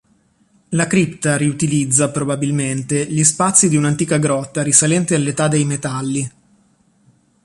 La cripta riutilizza, probabilmente, gli spazi di un'antica grotta risalente all'età dei metalli.